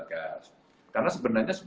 jaminin dengan dia kwa